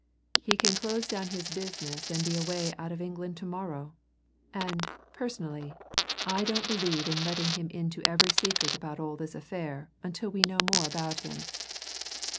He can close down his business and be away out of England to morrow, and, personally, I don't believe in letting him into every secret about all this affair until we know more about him.